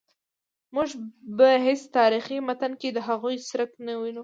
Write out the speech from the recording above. موږ په هیڅ تاریخي متن کې د هغوی څرک نه وینو.